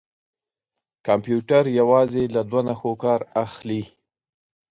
کمپیوټر یوازې له دوه نښو کار اخلي.